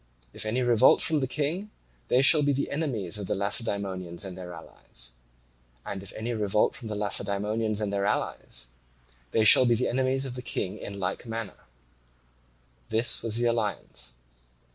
If any revolt from the King, they shall be the enemies of the Lacedaemonians and their allies. And if any revolt from the Lacedaemonians and their allies, they shall be the enemies of the King in like manner. This was the alliance.